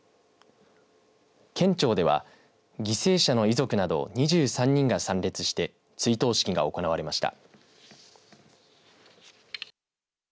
県庁では犠牲者の遺族など２３人が参列して追悼式が行われました。